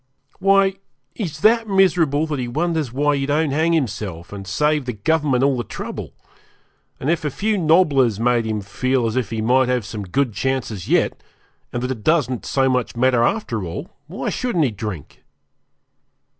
Why, he is that miserable that he wonders why he don't hang himself, and save the Government all the trouble; and if a few nobblers make him feel as if he might have some good chances yet, and that it doesn't so much matter after all, why shouldn't he drink?